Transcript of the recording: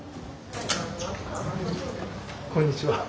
こんにちは。